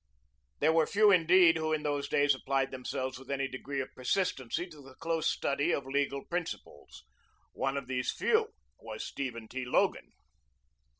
] there were few indeed who in those days applied themselves with any degree of persistency to the close study of legal principles. One of these few was Stephen T. Logan.